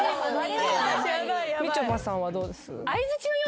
みちょぱさんはどうです？